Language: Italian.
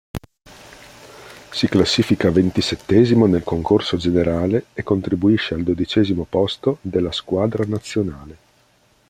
Si classifica ventisettesimo nel concorso generale e contribuisce al dodicesimo posto della squadra Nazionale.